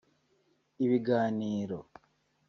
Ibiganiro